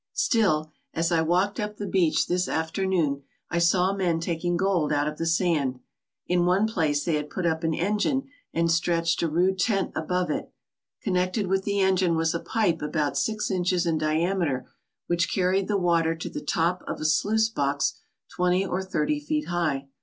Still, as I walked up the beach this afternoon I saw men taking gold out of the sand. , In one place they had put up an engine and stretched a rude tent above it. Con nected with the engine was a pipe about six inches in diameter which carried the water to the top of a sluice box twenty or thirty feet high.